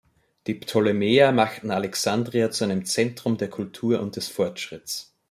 Die Ptolemäer machten Alexandria zu einem Zentrum der Kultur und des Fortschritts.